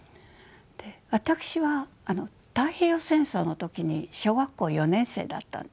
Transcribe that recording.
私は太平洋戦争の時に小学校４年生だったんです。